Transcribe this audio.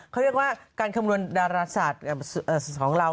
เขาเรียกว่าการคำนวณดาราศาสตร์ของเรา